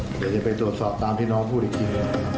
เดี๋ยวจะไปตรวจสอบตามที่น้องพูดอีกที